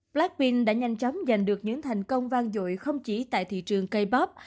blackpink đã nhanh chóng giành được những thành công vang dội không chỉ tại thị trường k pop